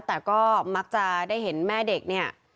แต่ก็มักจะได้เห็นแม่เด็กเนี่ย